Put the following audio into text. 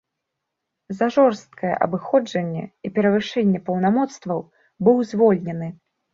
За жорсткае абыходжанне і перавышэнне паўнамоцтваў быў звольнены.